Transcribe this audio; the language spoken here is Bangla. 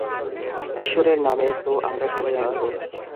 ঈশ্বরের নামে তো আমরা সবাই অন্ধ।